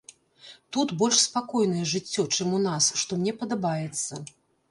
Тут больш спакойнае жыццё, чым у нас, што мне падабаецца.